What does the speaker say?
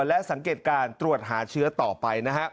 และสังเกตการตรวจหาเชื้อต่อไปนะฮะ